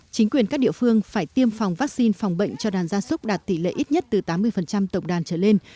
chính quyền các địa phương phải tiêm phòng vaccine phòng bệnh cho đàn gia súc đạt tỷ lệ ít nhất từ tám mươi tổng đàn trở lên